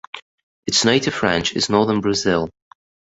Its native range is Northern Brazil.